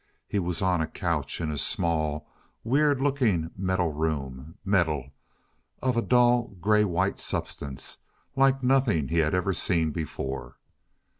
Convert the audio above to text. He was on a couch in a small, weird looking metal room metal of a dull, grey white substance like nothing he had ever seen before.